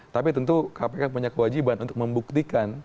tapi tentu kpk punya kewajiban untuk membuktikan